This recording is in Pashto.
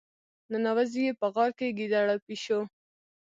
ننوزي یې په غار کې ګیدړ او پيشو.